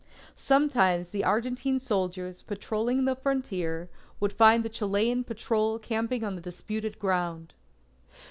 Sometimes, the Argentine soldiers, patrolling the frontier, would find the Chilean patrol camping on the disputed ground.